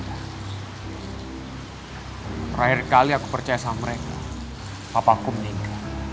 terakhir kali aku percaya sama mereka apakah